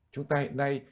chúng ta hiện nay